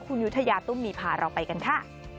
คุณยุธยาตุ้มมีพาเราไปกันค่ะ